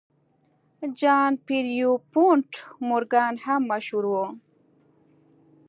جان پیرپونټ مورګان هم مشهور و.